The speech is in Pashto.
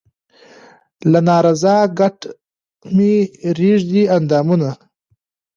له نا رضا کټه مې رېږدي اندامونه